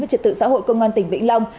trật tự xã hội công an tỉnh vĩnh long